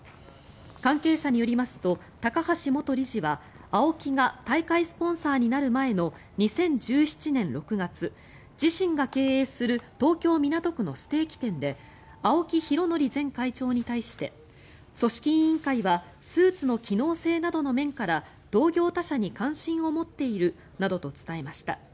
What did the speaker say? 関係者によりますと高橋元理事はＡＯＫＩが大会スポンサーになる前の２０１７年６月自身が経営する東京・港区のステーキ店で青木拡憲前会長に対して組織委員会はスーツの機能性などの面から同業他社に関心を持っているなどと伝えました。